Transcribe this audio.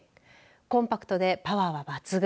コンパクトでパワーは抜群。